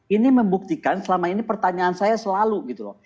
ini membuktikan selama ini pertanyaan saya selalu gitu loh